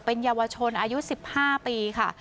เป็นเยาวชนอายุ๑๕ปีค่ะ